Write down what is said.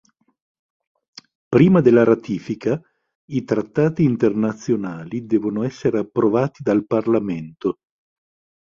Prima della ratifica, i trattati internazionali devono essere approvati dal Parlamento.